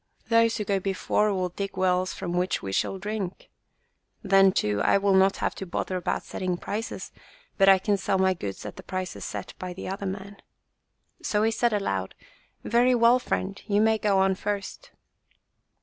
Those who go before will dig wells from which we shall drink. Then, too, I will not have to bother about setting prices, but I can sell my goods at the prices set by the other man." So he said aloud, "Very well, friend, you may go on first."